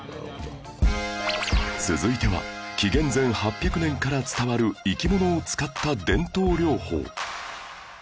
続いては紀元前８００年から伝わる生き物を使った伝統療法